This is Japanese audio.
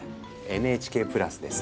ＮＨＫプラスです。